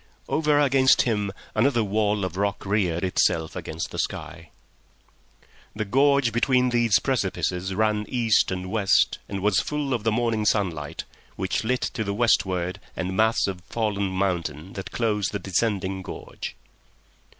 Over against him another wall of rock reared itself against the sky. The gorge between these precipices ran east and west and was full of the morning sunlight, which lit to the westward the mass of fallen mountain that closed the descending gorge.